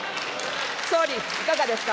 総理、いかがですか。